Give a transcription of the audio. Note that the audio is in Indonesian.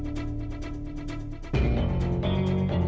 walau ngelakang belakang